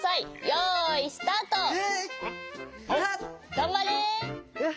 がんばれ！